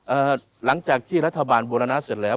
หลังจากที่รัฐบาลบูรณะเสร็จแล้ว